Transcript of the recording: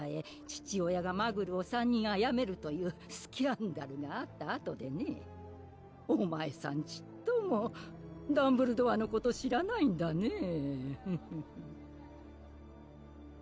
父親がマグルを３人あやめるというスキャンダルがあったあとでねお前さんちっともダンブルドアのこと知らないんだねぇ・